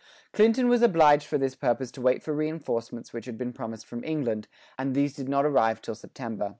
Clinton was obliged for this purpose to wait for reinforcements which had been promised from England, and these did not arrive till September.